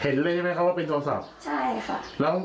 เห็นเลยใช่ไหมครับว่าเป็นโทรศัพท์ใช่ค่ะ